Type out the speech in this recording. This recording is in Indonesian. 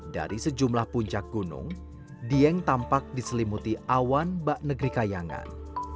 dari sejumlah puncak gunung dieng tampak diselimuti awan bak negeri kayangan